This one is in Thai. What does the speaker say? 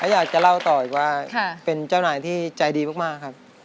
อยากจะเล่าต่ออีกว่าเป็นเจ้านายที่ใจดีมากครับ